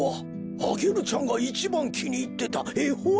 アゲルちゃんがいちばんきにいってたえほんじゃ。